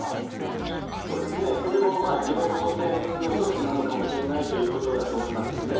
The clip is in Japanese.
これもまあ、情報戦の一つなのかもしれないということだと思いますよね。